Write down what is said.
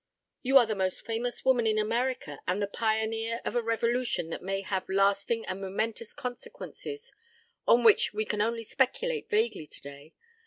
"You are the most famous woman in America and the pioneer of a revolution that may have lasting and momentous consequences on which we can only speculate vaguely today.